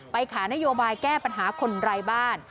ขานโยบายแก้ปัญหาคนไร้บ้าน